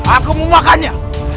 aku mau makannya